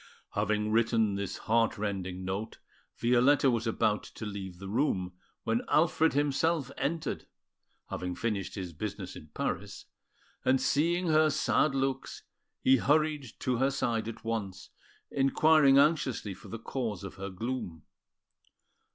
Having written this heart rending note, Violetta was about to leave the room, when Alfred himself entered, having finished his business in Paris; and seeing her sad looks, he hurried to her side at once, inquiring anxiously for the cause of her gloom.